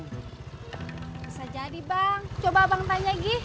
bisa jadi bang coba bang tanya gi